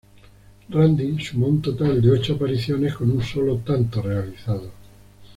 Randy sumó un total de ocho apariciones con un solo tanto realizado.